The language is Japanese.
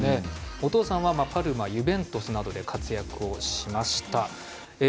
お父さんはパルマ、ユベントスなどで活躍をしました。